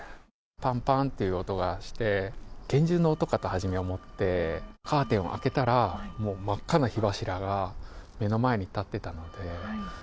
ぱんぱんっていう音がして、拳銃の音かと初め思って、カーテンを開けたら、もう真っ赤な火柱が目の前に立ってたので。